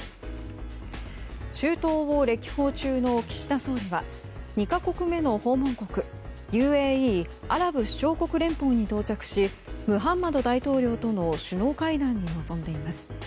中東を歴訪中の岸田総理は２か国目の訪問国ＵＡＥ・アラブ首長国連邦に到着しムハンマド大統領との首脳会談に臨んでいます。